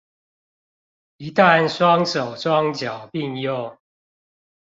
一旦雙手雙腳併用